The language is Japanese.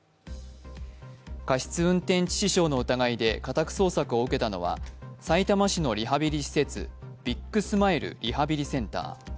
過失運転致死傷の疑いで家宅捜索を受けたのはさいたま市のリハビリ施設ビッグスマイルリハビリセンター。